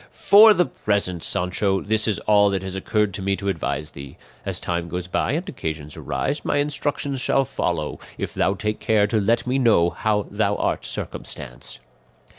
"For the present, Sancho, this is all that has occurred to me to advise thee; as time goes by and occasions arise my instructions shall follow, if thou take care to let me know how thou art circumstanced."